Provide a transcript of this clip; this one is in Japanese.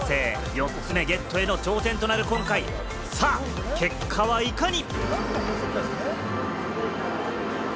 ４つ目ゲットへの挑戦となる今回、さあ、結果はいかに？